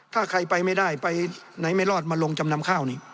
ถ้าใครไปไม่ได้ไปไหนไม่รอดมาลงจำนำข้าวนี่